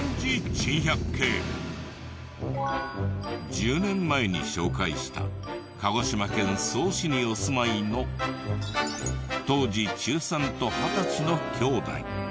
１０年前に紹介した鹿児島県曽於市にお住まいの当時中３と二十歳の姉弟。